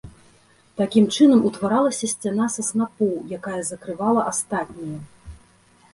Такім чынам утваралася сцяна са снапоў, якая закрывала астатнія.